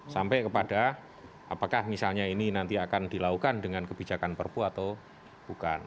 sampai kepada apakah misalnya ini nanti akan dilakukan dengan kebijakan perpu atau bukan